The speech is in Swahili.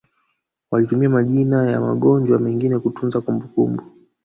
walitumia majina ya magonjwa mengine kutunza kumbukumbu